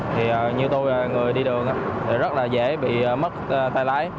thì như tôi là người đi đường thì rất là dễ bị mất tay lái